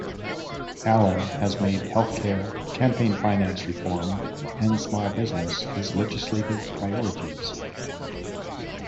Allen has made health care, campaign finance reform, and small business his legislative priorities.